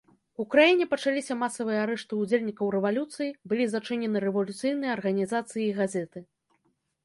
У краіне пачаліся масавыя арышты ўдзельнікаў рэвалюцыі, былі зачынены рэвалюцыйныя арганізацыі і газеты.